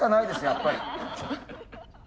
やっぱり。